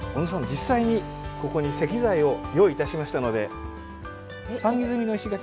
実際にここに石材を用意いたしましたので算木積みの石垣